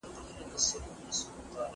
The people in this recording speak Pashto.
دولتونه خپل فعالیتونه تنظیموي.